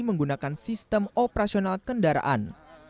menggunakan sistem operasional kendaraan